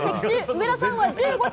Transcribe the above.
上田さんは１５着。